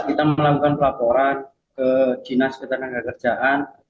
kita melakukan pelaporan ke dinas ketenagakerjaan